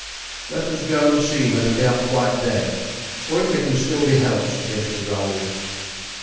"Let us go and see whether they are quite dead, or if they can still be helped," suggested Raoul.